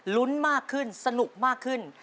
ลุ้นมากขึ้นสนุกมากขึ้น